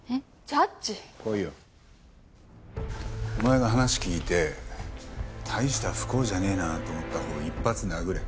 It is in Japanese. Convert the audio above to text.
ジャッジ？来いよ。お前が話聞いて大した不幸じゃねえなと思ったほうを１発殴れ。